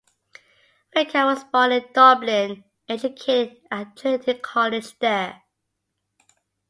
Rickard was born in Dublin and educated at Trinity College there.